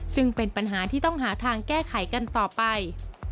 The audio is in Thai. ซึ่งเป็นปัญหาที่ต้องหาทางแก้ไขกันต่อไป